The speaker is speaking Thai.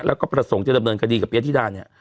แล้วก็ประสงค์จะดำเนินคดีกับเยธิดาเนี่ย